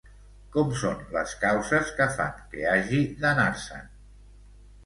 Com són les causes que fan que hagi d'anar-se'n?